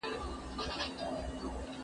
زه هره ورځ د ښوونځي کتابونه مطالعه کوم